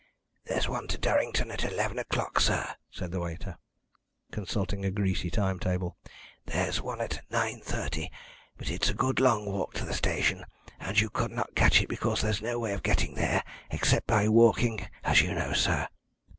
"There's one to Durrington at eleven o'clock, sir," said the waiter, consulting a greasy time table. "There's one at 9:30, but it's a good long walk to the station, and you could not catch it because there's no way of getting there except by walking, as you know, sir."